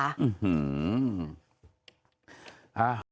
อื้อหือ